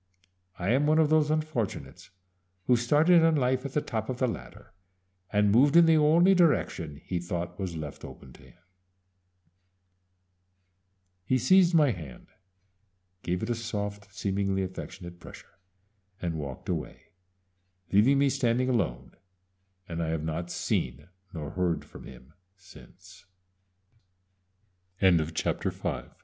_I am one of those unfortunates who started in life at the top of the ladder and moved in the only direction he thought was left open to him._" He seized my hand, gave it a soft, seemingly affectionate pressure, and walked away, leaving me standing alone, and I have not see